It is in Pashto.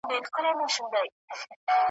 څوک به څرنګه منتر د شیطان مات کړي ,